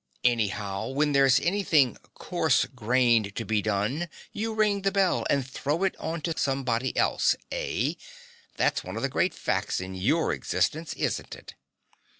Anyhow, when there's anything coarse grained to be done, you ring the bell and throw it on to somebody else, eh? That's one of the great facts in YOUR existence, isn't it?